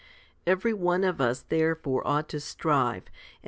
12. Every one of us therefore ought to strive, and take 1 2 Cor.